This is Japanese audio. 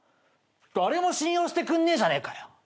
誰も信用してくんねえじゃねえか。